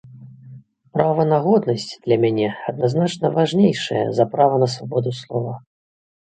Права на годнасць для мяне адназначна важнейшае за права на свабоду слова.